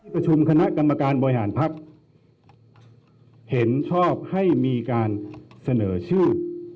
ประชุมคณะกรรมการบริหารภักดิ์เห็นชอบให้มีการเสนอชื่อ